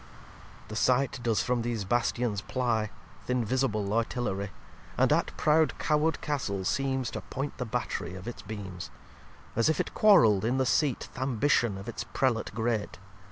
xlvi The sight does from these Bastions ply, Th' invisible Artilery; And at proud Cawood Castle seems To point the Battery of its Beams. As if it quarrell'd in the Seat Th' Ambition of its Prelate great.